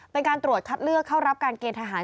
เป็นการตรวจคัดเลือกเข้ารับการเกณฑหาร